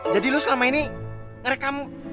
jadi lu selama ini ngerekamu